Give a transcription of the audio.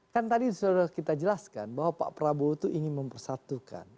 kan tadi sudah kita jelaskan bahwa pak prabowo itu ingin mempersatukan